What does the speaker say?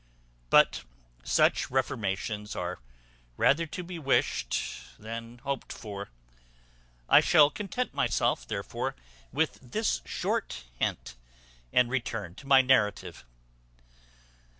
But such reformations are rather to be wished than hoped for: I shall content myself, therefore, with this short hint, and return to my narrative.